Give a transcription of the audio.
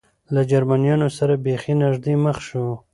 له جرمنیانو سره بېخي نږدې مخ شو.